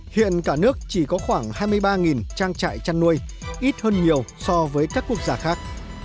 hiện cả nước chỉ có khoảng hai mươi ba trang trại chăn nuôi ít hơn nhiều so với các quốc gia khác